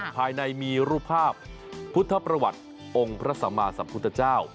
ภายในมีรูปภาพพุทธประวัติองค์พระสัมมาสัมพุทธเจ้า